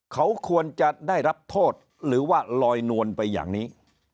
เขาควรจะได้รับโทษหรือว่าลอยนวลไปอย่างนี้